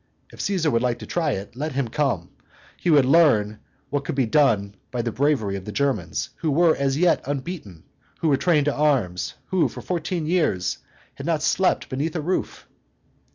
If Caesar would like to try it, let him come; he would learn what could be done by the bravery of the Germans, who were as yet unbeaten, who were trained to arms, who for fourteen years had not slept beneath a roof."